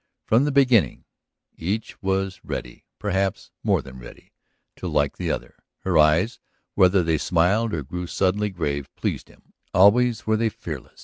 From the beginning each was ready, perhaps more than ready, to like the other. Her eyes, whether they smiled or grew suddenly grave, pleased him; always were they fearless.